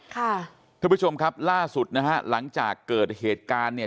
ท่านผู้ชมครับล่าสุดนะฮะหลังจากเกิดเหตุการณ์เนี่ย